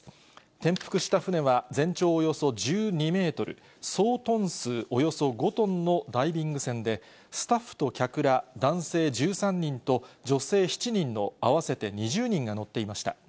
転覆した船は、全長およそ１２メートル、総トン数およそ５トンのダイビング船で、スタッフと客ら男性１３人と女性７人の合わせて２０人が乗っていました。